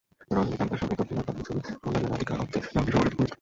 রজনীকান্তের সঙ্গে দক্ষিণের কাবালি ছবির কল্যাণে রাধিকা আপ্তে নামটি সবার কাছে পরিচিত।